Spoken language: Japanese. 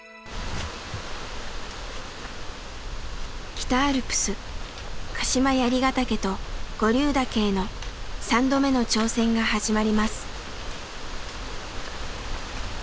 北アルプス鹿島槍ヶ岳と五竜岳への３度目の挑戦が始まります。